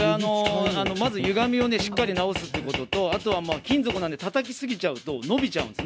まずはゆがみをしっかり直すことと金属なのでたたきすぎるとのびちゃうんです。